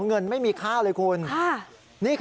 เงินไม่มีค่าเลยคุณ